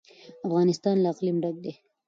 افغانستان له اقلیم ډک دی.